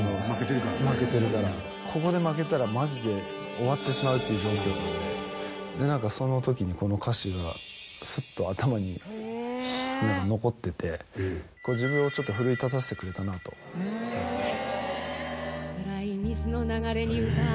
負けてるからここで負けたらマジで終わってしまうって状況なんでその時にこの歌詞がスッと頭に何か残っててこれ自分をちょっと奮い立たせてくれたなと思います